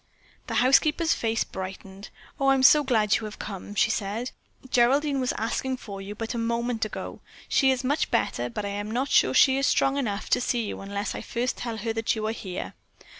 The housekeeper's face brightened. "Oh, I'm so glad that you have come," she said. "Geraldine was asking for you but a moment ago. She is much better, but I am not sure that she is strong enough to see you unless I first tell her that you are here.